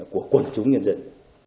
của quân chúng nhân dân